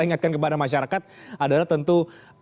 ingatkan kepada masyarakat adalah tentu